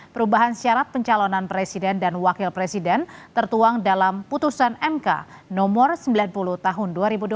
perubahan syarat pencalonan presiden dan wakil presiden tertuang dalam putusan mk nomor sembilan puluh tahun dua ribu dua puluh